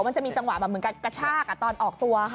มันจะมีจังหวะเหมือนกับกระชากอะตอนออกตัว